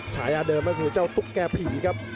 ชายะเดิมหัศจีรเจ้าตุ๊กแก่ผี